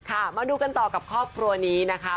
มาดูกันต่อกับครอบครัวนี้นะคะ